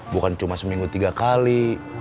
bukan cuma seminggu tiga kali